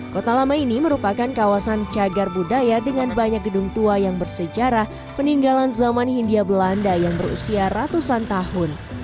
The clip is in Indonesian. kota lama ini merupakan kawasan cagar budaya dengan banyak gedung tua yang bersejarah peninggalan zaman hindia belanda yang berusia ratusan tahun